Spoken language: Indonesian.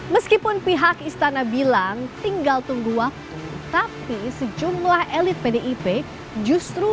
meskipun pihak istana bilang tinggal tunggu waktu tapi sejumlah elit pdip justru